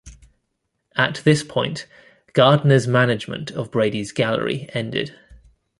At this point, Gardner's management of Brady's gallery ended.